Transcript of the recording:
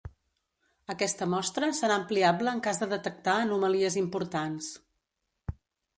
Aquesta mostra serà ampliable en cas de detectar anomalies importants.